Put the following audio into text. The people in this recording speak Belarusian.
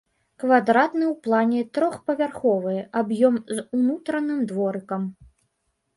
Квадратны ў плане трохпавярховы аб'ём з унутраным дворыкам.